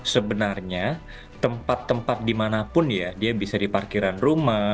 sebenarnya tempat tempat dimanapun ya dia bisa di parkiran rumah